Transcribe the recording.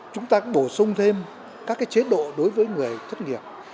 chúng ta cũng bổ sung thêm các chế độ đối với người thất nghiệp